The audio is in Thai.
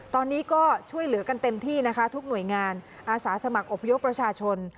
ตอนนี้ก็ช่วยเหลือกันเต็มที่นะคะทุกหน่วยงานอาสาสมัครอบพยพประชาชน